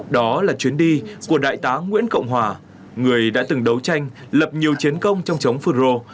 đó là chuyến đi của đại tá nguyễn cộng hòa người đã từng đấu tranh lập nhiều chiến công trong chống phương rô